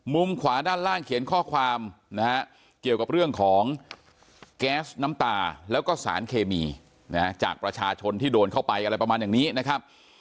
ขวาด้านล่างเขียนข้อความนะฮะเกี่ยวกับเรื่องของแก๊สน้ำตาแล้วก็สารเคมีนะฮะจากประชาชนที่โดนเข้าไปอะไรประมาณอย่างนี้นะครับ